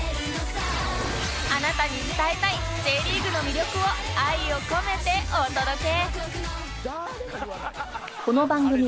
あなたに伝えたい Ｊ リーグの魅力を愛を込めてお届け！